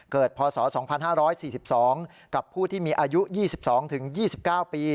พศ๒๕๔๒กับผู้ที่มีอายุ๒๒๒๙ปี